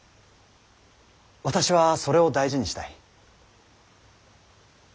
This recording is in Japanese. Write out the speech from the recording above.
私はそれを大事にしたい。